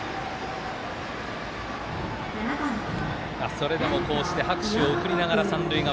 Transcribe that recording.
それでも拍手を送りながら三塁側。